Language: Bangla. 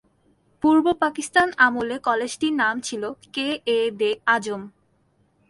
পূর্ব পাকিস্তান আমলে কলেজটির নাম ছিল "কে-এ-দে আজম"।